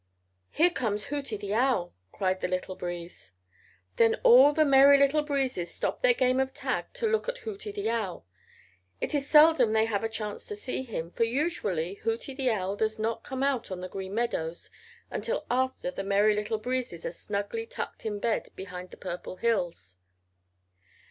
"Here comes Hooty the Owl," cried the Little Breeze. Then all the Merry Little Breezes stopped their game of tag to look at Hooty the Owl. It is seldom they have a chance to see him, for usually Hooty the Owl does not come out on the Green Meadows until after the Merry Little Breezes are snugly tucked in bed behind the Purple Hills.